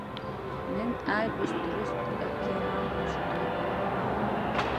من آل بسترس الكرام موسد